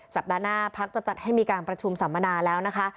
สัปดาห์หน้าพักจะจัดให้มีการประชุมสัมมนาแล้วนะคะ